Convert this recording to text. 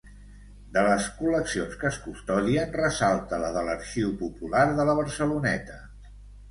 De les col·leccions que es custodien, ressalta la de l'Arxiu Popular de la Barceloneta.